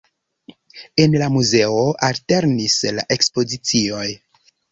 En la muzeo alternis la ekspozicioj.